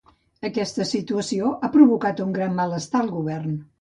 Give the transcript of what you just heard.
Aquesta situació ha provocat un gran malestar al Govern.